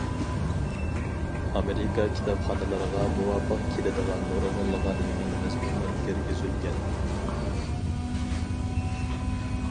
ئامېرىكا كىتابخانىلىرىغا مۇۋاپىق كېلىدىغان نۇرغۇنلىغان يېڭى مەزمۇنلار كىرگۈزۈلگەن.